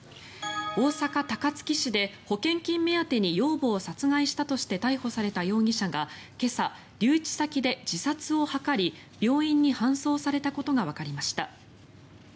大阪・高槻市で、保険金目当てに養母を殺害したとして逮捕された容疑者が今朝、留置先で自殺を図り病院に搬送されたことがわかりました。